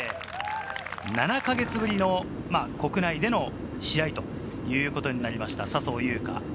７か月ぶりの国内での試合ということになりました、笹生優花。